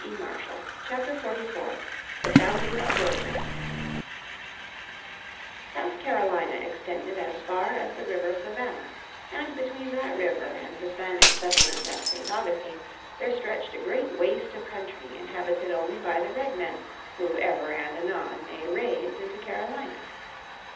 __________ Chapter 44 The Founding of Georgia South Carolina extended as far as the River Savannah, and between that river and the Spanish settlement at St. Augustine there stretched a great waste of country inhabited only by the Redmen who ever and anon made raids into Carolina.